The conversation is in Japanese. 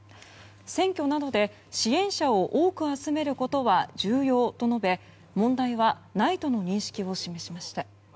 選挙などで支援者を多く集めることは重要と述べ問題はないとの認識を示しました。